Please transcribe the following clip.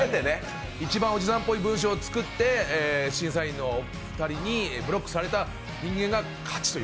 一番おじさんっぽい文章を作って審査員の２人にブロックされた人が勝ちという。